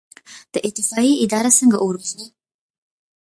د اطفائیې اداره څنګه اور وژني؟